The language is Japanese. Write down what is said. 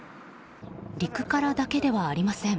陸からだけではありません。